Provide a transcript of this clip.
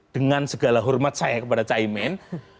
dengan segala hormat saya kepada caimin